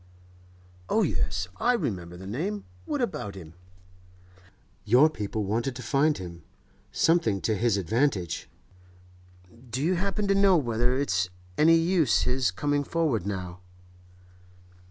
'Oh yes. I remember the name. What about him?' 'Your people wanted to find him—something to his advantage. Do you happen to know whether it's any use his coming forward now?